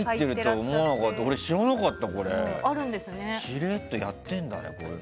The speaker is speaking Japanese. しれっとやってるんだね。